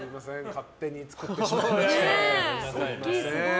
勝手に作ってしまいまして。